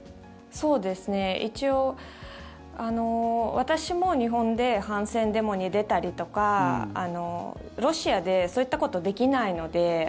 一応、私も日本で反戦デモに出たりとかロシアでそういったことできないので。